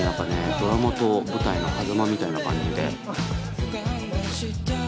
ドラマと舞台のはざまみたいな感じで。